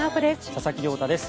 佐々木亮太です。